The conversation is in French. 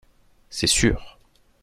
C’est sûr